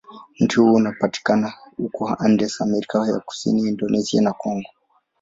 Mti huo unapatikana huko Andes, Amerika ya Kusini, Indonesia, na Kongo.